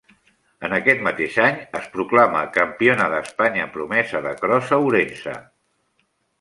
En aquest mateix any es proclama Campiona d'Espanya promesa de Cros a Ourense.